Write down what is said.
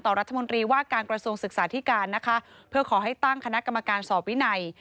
รัฐมนตรีว่าการกระทรวงศึกษาธิการนะคะเพื่อขอให้ตั้งคณะกรรมการสอบวินัย